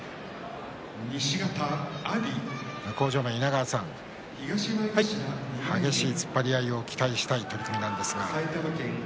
向正面の稲川さん激しい突っ張り合いを期待したい取組なんですが。